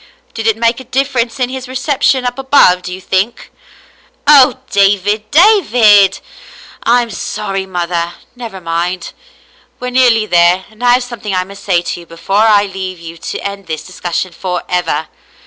Did it make a difference in his reception up above — do you think ?" *'0h, David, David!" *'I'm sorry mother — never mind. We're nearly there and I have something I must say to you before I leave you to end this discussion forever.